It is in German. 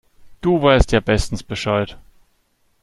Du weißt ja bestens Bescheid.